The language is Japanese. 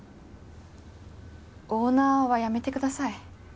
オーナーはやめてください。